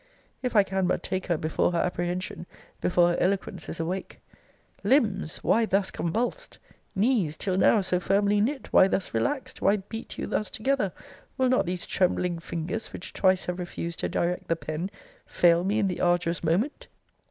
If I can but take her before her apprehension, before her eloquence, is awake Limbs, why thus convulsed? Knees, till now so firmly knit, why thus relaxed? why beat you thus together? Will not these trembling fingers, which twice have refused to direct the pen, fail me in the arduous moment?